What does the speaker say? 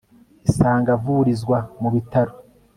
isanga avurizwa mu bitaro